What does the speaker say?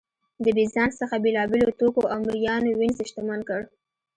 له بېزانس څخه بېلابېلو توکو او مریانو وینز شتمن کړ